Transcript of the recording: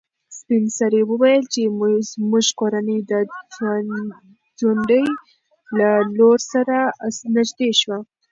سپین سرې وویل چې زموږ کورنۍ د ځونډي له لور سره نږدې شوه.